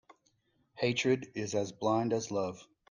Hatred is as blind as love.